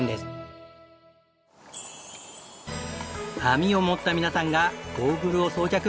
網を持った皆さんがゴーグルを装着。